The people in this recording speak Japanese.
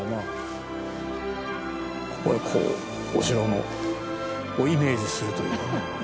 ここでこうお城をイメージするというね。